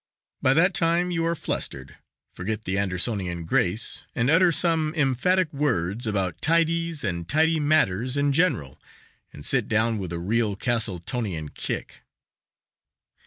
By that time you are flustered, forget the Andersonian grace, and utter some emphatic words about tidies and tidy matters in general, and sit down with a real Castletonian kick.